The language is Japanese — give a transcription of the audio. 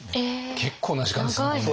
結構な時間ですね５年。